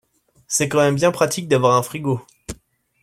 C'est quand même bien pratique d'avoir un frigo.